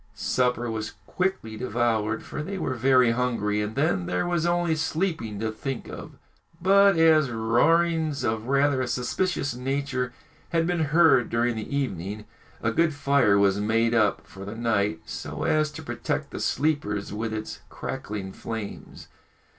Supper was quickly devoured, for they were very hungry, and then there was only sleeping to think of. But, as roarings of rather a suspicious nature had been heard during the evening, a good fire was made up for the night, so as to protect the sleepers with its crackling flames.